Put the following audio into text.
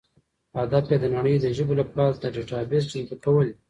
هدف یې د نړۍ د ژبو لپاره د ډیټابیس چمتو کول دي.